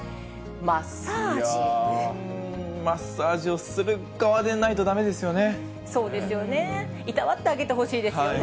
いやー、マッサージをする側でないとだめですよね。